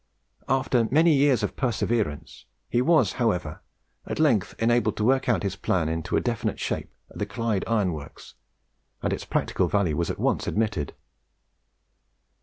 After many years of perseverance, he was, however, at length enabled to work out his plan into a definite shape at the Clyde Iron Works, and its practical value was at once admitted.